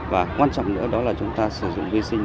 và quan trọng nữa đó là chúng ta sử dụng vi sinh